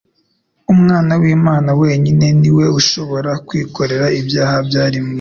Umwana w'Imana wenyine ni we ushobora kwikorera ibyaha by'abari mu isi.